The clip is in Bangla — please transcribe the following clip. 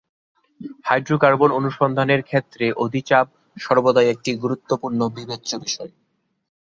হাইড্রোকার্বন অনুসন্ধানের ক্ষেত্রে অধিচাপ সর্বদাই একটি গুরুত্বপূর্ণ বিবেচ্য বিষয়।